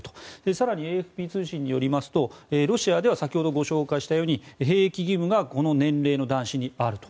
更にＡＦＰ通信によりますとロシアでは先ほどご紹介したように兵役義務がこの年齢の男子にあると。